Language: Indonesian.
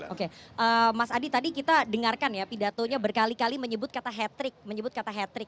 oke mas adi tadi kita dengarkan ya pidatonya berkali kali menyebut kata hat trick